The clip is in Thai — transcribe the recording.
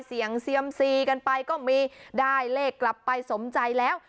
เสี่ยงเซียมซีกันไปก็มีได้เลขกลับไปสมใจแล้ว